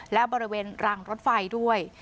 และบริเวณรังรถไฟด้วย